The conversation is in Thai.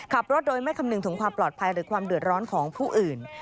ขับรถโดยไม่คำนึงถึงความปลอดภัยหรือความเดือดร้อนของผู้อื่น